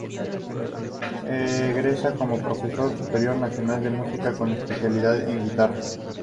Egresa como Profesora Superior Nacional de música con especialidad en guitarra.